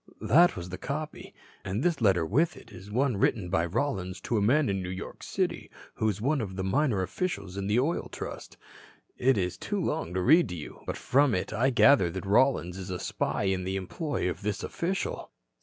That was the copy. And this letter with it is one written by Rollins to a man in New York City who is one of the minor officials of the Oil Trust. It is too long to read to you. But from it I gather that Rollins is a spy in the employ of this official."